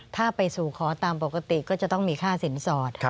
ถ้าไปสู่ขอตามปกติก็จะต้องมีค่าสินสอด